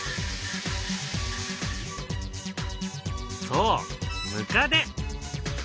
そうムカデ！